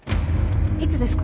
いつですか！？